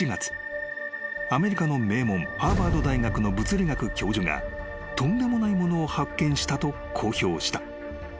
［アメリカの名門ハーバード大学の物理学教授がとんでもないものを発見したと公表した］